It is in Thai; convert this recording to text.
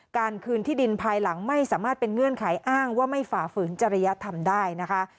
การคืนที่ดินภายหลังไม่สามารถเป็นเงื่อนไขอ้างว่าไม่ฝ่าฝืนจริยธรรมได้นะคะ